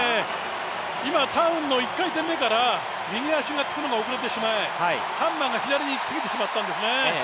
今、ターンの１回転目から右足がつくのが遅れてしまいハンマーが左に行きすぎてしまったんですね。